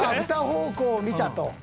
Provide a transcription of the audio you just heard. ２方向を見たと。